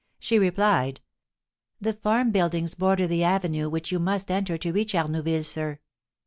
She replied: "The farm buildings border the avenue which you must enter to reach Arnouville, sir."